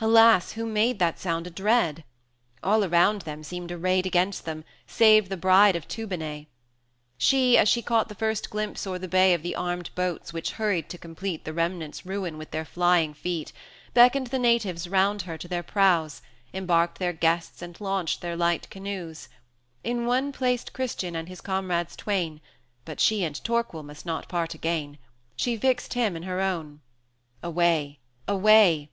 Alas! who made That sound a dread? All around them seemed arrayed Against them, save the bride of Toobonai: She, as she caught the first glimpse o'er the bay Of the armed boats, which hurried to complete The remnant's ruin with their flying feet,[fr] 220 Beckoned the natives round her to their prows, Embarked their guests and launched their light canoes; In one placed Christian and his comrades twain But she and Torquil must not part again. She fixed him in her own. Away! away!